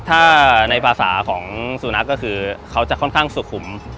ถ้าในภาษาของสุนัขก็คือเขาจะค่อนข้างสุขุม